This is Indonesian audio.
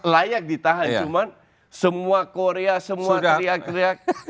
layak ditahan cuman semua korea semua teriak teriak